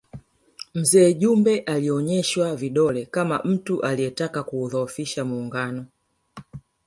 Mzee Jumbe alinyooshewa vidole kama mtu aliyetaka kuudhofisha Muungano